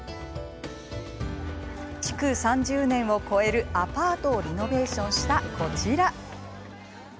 築３０年以上を超えるアパートをリノベーションしたこちら。